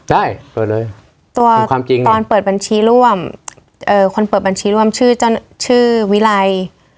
ได้เปิดเลยตัวตอนเปิดบัญชีร่วมเอ่อคนเปิดบัญชีร่วมชื่อเจ้าชื่อวิลัย